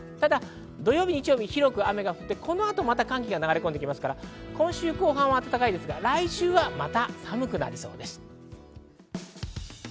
土曜日、日曜日は広く雨が降って、この後また寒気が流れ込みますから、今週後半は暖かいですが、来週はまた寒くなりそうです。